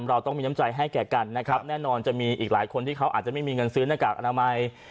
เราต้องมีน้ำใจให้แก่กันนะครับแน่นอนจะมีอีกหลายคนที่เขาอาจจะไม่มีเงินซื้อหน้ากากอนามัย